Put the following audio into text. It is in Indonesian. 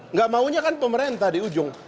nggak maunya kan pemerintah di ujung